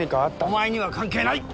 お前には関係ない！